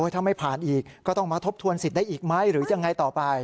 ถ้าไม่ผ่านอีกก็ต้องมาทบทวนสิทธิ์ได้อีกไหมหรือยังไงต่อไป